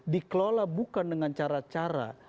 dikelola bukan dengan cara cara